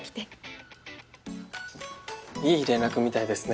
いい連絡みたいですね。